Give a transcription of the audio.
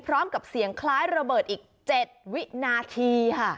พร้อมกับเสียงคล้ายระเบิดอีก๗วินาทีค่ะ